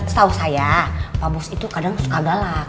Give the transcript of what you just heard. setahu saya pak bos itu kadang suka gala